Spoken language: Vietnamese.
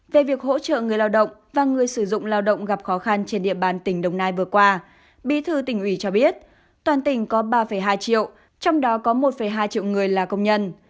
về việc hỗ trợ người lao động và người sử dụng lao động gặp khó khăn trên địa bàn tỉnh đồng nai vừa qua bí thư tỉnh ủy cho biết toàn tỉnh có ba hai triệu trong đó có một hai triệu người là công nhân